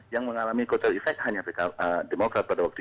yang mengalami kuatal efek hanya